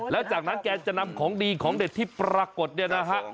แล้วจากนั้นแกจะนำของดีของเด็ดที่ปรากฏเนี่ยนะฮะ